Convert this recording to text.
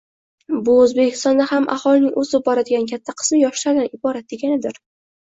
Bu Oʻzbekistonda ham aholining oʻsib boradigan katta qismi yoshlardan iborat, deganidir.